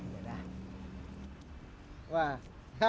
ya udah kayak gitu